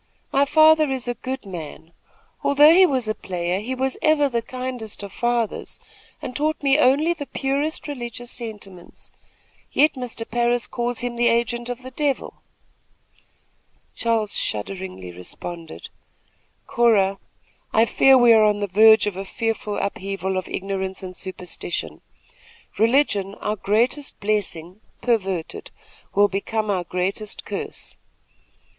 My father is a good man. Although he was a player, he was ever the kindest of fathers, and taught me only the purest religious sentiments, yet Mr. Parris calls him the agent of the devil." Charles shudderingly responded: "Cora, I fear we are on the verge of a fearful upheaval of ignorance and superstition. Religion, our greatest blessing, perverted, will become our greatest curse.